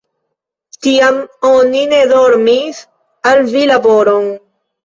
Tiam, oni ne donis al vi laboron.